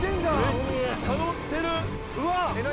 めっちゃ乗ってる・えっ何？